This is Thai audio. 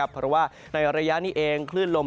เพราะว่าในระยะนี้เองคลื่นลม